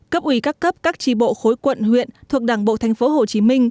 cấp ủy các cấp các tri bộ khối quận huyện thuộc đảng bộ tp hcm